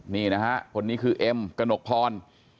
นี่นะฮะคนนี้คือเอ็มกระหนกพร